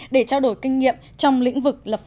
để trao đổi kinh nghiệm trong lĩnh vực lập pháp